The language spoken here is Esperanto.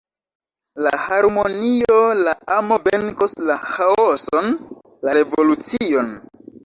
La harmonio, la amo venkos la ĥaoson, la revolucion.